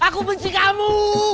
aku benci kamu